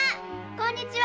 こんにちは。